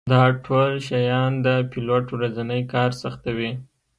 دا ټول شیان د پیلوټ ورځنی کار سختوي